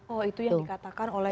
oh itu yang dikatakan oleh